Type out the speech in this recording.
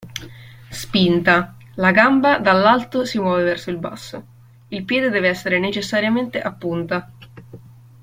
Spinta: La gamba dall'alto si muove verso il basso. Il piede deve essere necessariamente a punta.